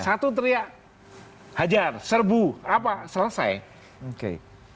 satu teriak hajar serbu apa selesai